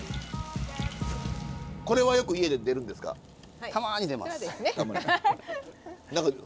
これはよく家で出るんですか？